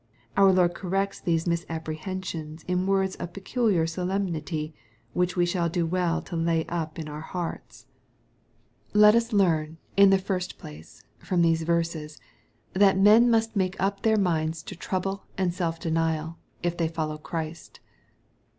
Our Lord corrects these mis apprehensions in words of peculiar solemnity, which W9 shall do well to lay up in our hearts. 202 EXPOSITORY THOUGHTS. Let us learn, in the first place, from these verses, that men must make up their minds to trouble and self denial , if they follow Christ.